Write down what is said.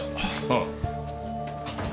ああ。